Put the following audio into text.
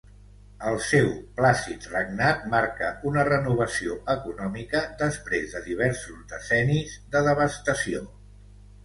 El seu plàcid regnat marca una renovació econòmica després de diversos decennis de devastació.